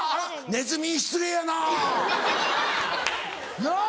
ネズミに失礼やな。なぁ。